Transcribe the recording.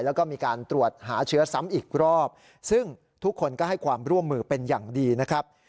แล้วก็มีการตรวจหาเชื้อซ้ำอีกรอบซึ่งทุกคนก็ให้ความร่วมมือเป็นอย่างดีนะครับ